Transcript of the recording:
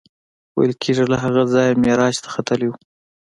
ویل کېږي له هغه ځایه معراج ته ختلی و.